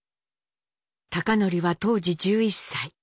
貴教は当時１１歳。